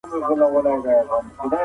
تجمل د دولت د بودیجې په مصرف تمام سو.